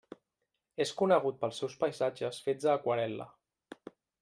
És conegut pels seus paisatges fets a aquarel·la.